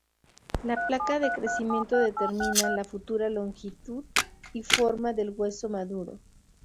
La placa de crecimiento determina la futura longitud y forma del hueso maduro.